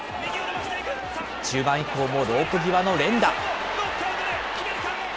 中盤以降もロープ際の連打。